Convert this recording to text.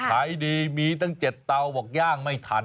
ขายดีมีตั้ง๗เตาบอกย่างไม่ทัน